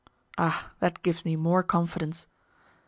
"Ah, that gives me more confidence."